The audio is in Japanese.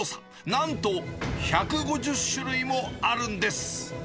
なんと１５０種類もあるんです。